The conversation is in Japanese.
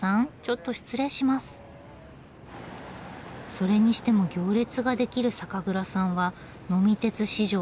それにしても行列ができる酒蔵さんは「呑み鉄」史上初めて。